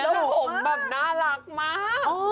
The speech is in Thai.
แล้วผมแบบน่ารักมาก